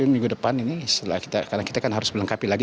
minggu depan ini karena kita harus melengkapi lagi